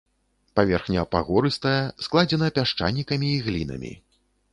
Паверхня пагорыстая, складзена пясчанікамі і глінамі.